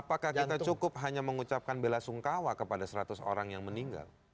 apakah kita cukup hanya mengucapkan bela sungkawa kepada seratus orang yang meninggal